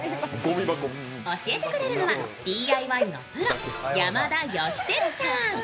教えてくれるのはＤＩＹのプロ、山田芳照さん。